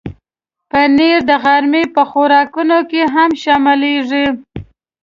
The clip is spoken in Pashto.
پنېر د غرمې په خوراکونو کې هم شاملېږي.